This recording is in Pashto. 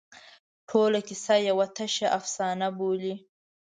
ټوله کیسه یوه تشه افسانه بولي.